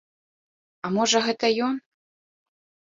А можа, гэта ён?